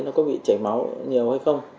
nó có bị chảy máu nhiều hay không